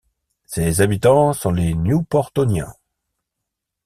Ses habitants sont les Newportoniens.